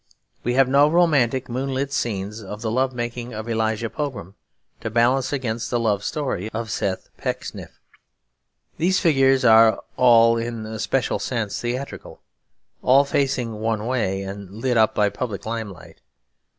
We have no romantic moonlit scenes of the love making of Elijah Pogram, to balance against the love story of Seth Pecksniff. These figures are all in a special sense theatrical; all facing one way and lit up by a public limelight.